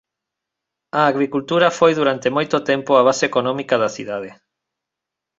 A agricultura foi durante moito tempo a base económica da cidade.